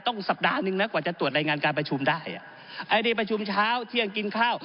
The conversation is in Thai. สัปดาห์หนึ่งนะกว่าจะตรวจรายงานการประชุมได้อันนี้ประชุมเช้าเที่ยงกินข้าว